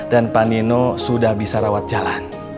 dan pak nino sudah bisa rawat jalan